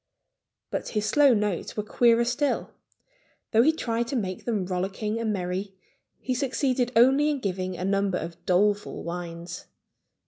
But his slow notes were queerer still. Though he tried to make them rollicking and merry, he succeeded only in giving a number of doleful whines.